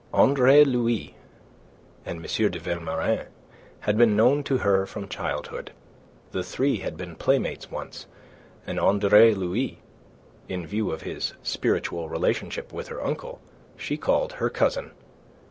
Andre Louis and M. de Vilmorin had been known to her from childhood. The three had been playmates once, and Andre Louis in view of his spiritual relationship with her uncle she called her cousin.